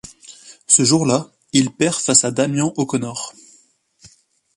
Ce jour là, il perd face à Damian O'Connor.